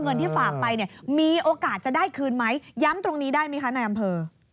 เงินที่ฝากไปเนี่ยมีโอกาสจะได้คืนไหมย้ำตรงนี้ได้ไหมคะในอำเภอ